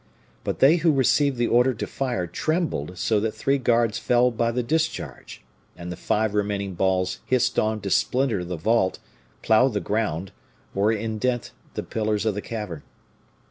But they who received the order to fire trembled so that three guards fell by the discharge, and the five remaining balls hissed on to splinter the vault, plow the ground, or indent the pillars of the cavern.